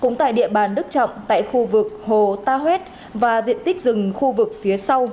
cũng tại địa bàn đức trọng tại khu vực hồ tat và diện tích rừng khu vực phía sau